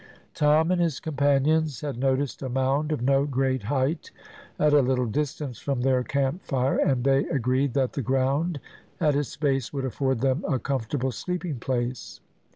Tom and his companions had noticed a mound of no great height, at a little distance from their camp fire, and they agreed that the ground at its base would afford them a comfortable sleeping place.